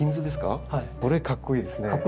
これかっこいいですね。